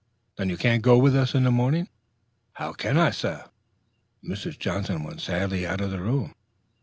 "Then you can't go with us in the morning?" "How can I, sah?" Mrs. Johnson went sadly out of the room.